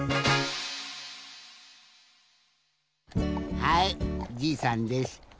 はいじいさんです。